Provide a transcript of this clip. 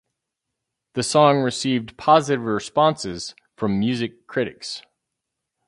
The song received positive responses from music critics.